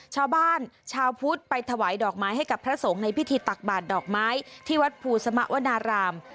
ชาวพุทธไปถวายดอกไม้ให้กับพระสงฆ์ในพิธีตักบาดดอกไม้ที่วัดภูสมวนาราม